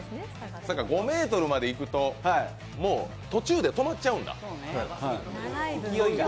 ５ｍまでいくと、もう途中で止まっちゃうんだ。